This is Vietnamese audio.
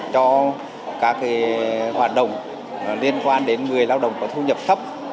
cho các hoạt động liên quan đến người lao động có thu nhập thấp